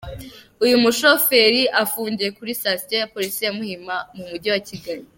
Uyu mushoferi afungiye kuri sitasiyo ya Polisi ya Muhima mu Mujyi wa Kigali.